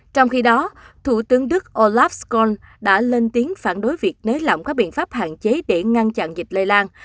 trong khi đó thủ tướng đức olaf schol đã lên tiếng phản đối việc nới lỏng các biện pháp hạn chế để ngăn chặn dịch lây lan